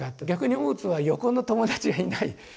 逆に大津は横の友達がいない。